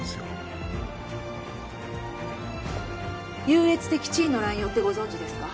優越的地位の濫用ってご存じですか？